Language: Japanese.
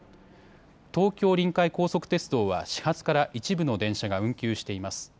東京臨海高速鉄道は始発から一部の電車が運休しています。